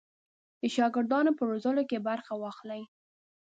د شاګردانو په روزلو کې برخه واخلي.